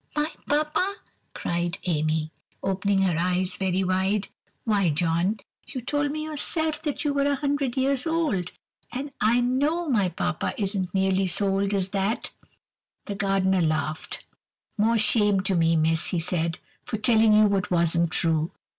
"My Papa!" cried Amy, opening her eyes very wide. "Why, John! you told me yourself that you were a hundred years old. And I know my Papa isn't nearly so old as that!" The gardener laughed. "More shame to me, miss," he said, "for telling you what wasn't true.